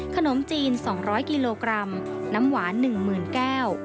ขนมจีน๒๐๐กิโลกรัมน้ำหวาน๑๐๐๐แก้ว